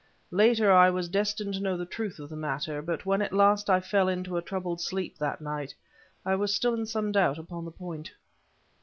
Later, I was destined to know the truth of the matter, but when at last I fell into a troubled sleep, that night, I was still in some doubt upon the point.